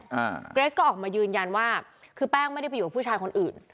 เกรสก็ออกมายืนยันว่าคือแป้งไม่ได้ไปอยู่กับผู้ชายคนอื่น